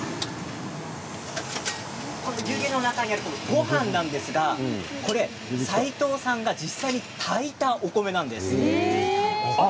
ごはんなんですが斎藤さんが実際に炊いたお米なんです。